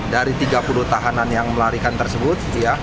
dari tiga puluh tahanan yang melarikan tersebut